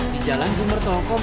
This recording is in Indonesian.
di jalan jum'atokom